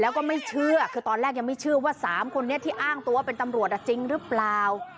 แล้วก็ไม่เชื่อคือตอนแรกยังไม่เชื่อว่า๓คนนี้ที่อ้างตัวเป็นตำรวจจริงหรือเปล่า